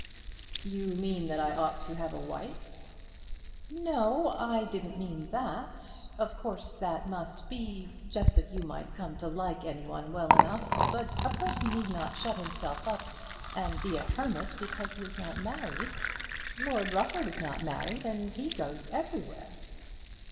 "You mean that I ought to have a wife?" "No; I didn't mean that. Of course that must be just as you might come to like any one well enough. But a person need not shut himself up and be a hermit because he is not married. Lord Rufford is not married and he goes everywhere."